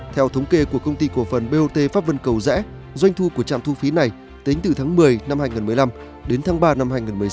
theo thống kê của công ty cổ phần bot pháp vân cầu rẽ doanh thu của trạm thu phí này tính từ tháng một mươi năm hai nghìn một mươi năm đến tháng ba năm hai nghìn một mươi sáu